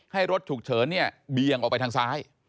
ให้รถถูกเฉินเบียงออกไปทางซ้าย